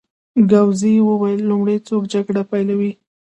ګاووزي وویل: لومړی څوک جګړه پېلوي؟